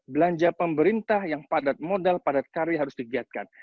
belanja pemerintah yang padat modal padat karya harus digiatkan